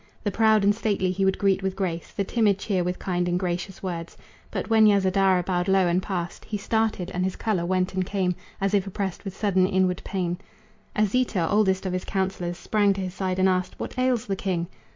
The proud and stately he would greet with grace, The timid cheer with kind and gracious words. But when Yasodhara bowed low and passed, He started, and his color went and came As if oppressed with sudden inward pain. Asita, oldest of his counselors, Sprang to his side and asked: "What ails the king?"